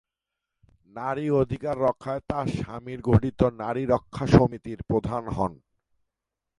নারী অধিকার রক্ষায় তার স্বামীর গঠিত "নারী রক্ষা সমিতি"-র প্রধান হন।